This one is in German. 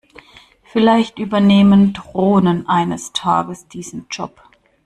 Vielleicht übernehmen Drohnen eines Tages diesen Job.